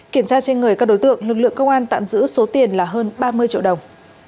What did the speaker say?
kiểm tra trên người các đối tượng lực lượng công an tạm giữ số tiền là hơn ba mươi triệu đồng